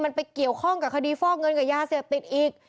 มันไปเกี่ยวข้องกับคดีฟอกเงินกับยาเสพติดอีก